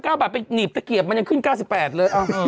บาทไปหนีบตะเกียบมันยังขึ้น๙๘เลย